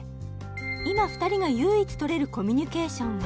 今２人が唯一とれるコミュニケーションが